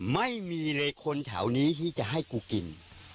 ไม่มีเลยคนแถวนี้ที่จะให้กูกิน